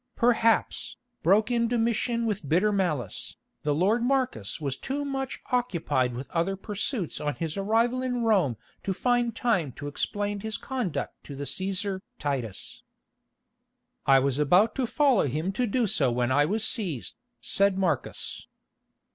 "Perhaps," broke in Domitian with bitter malice, "the lord Marcus was too much occupied with other pursuits on his arrival in Rome to find time to explain his conduct to the Cæsar Titus." "I was about to follow him to do so when I was seized," said Marcus.